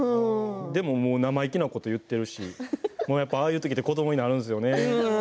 でも、もう生意気なこと言ってるし、ああいう時って子どもになるんですよね。